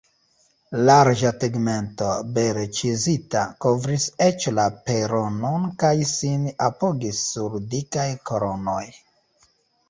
Larĝa tegmento, bele ĉizita, kovris eĉ la peronon kaj sin apogis sur dikaj kolonoj.